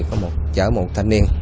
chở một thanh niên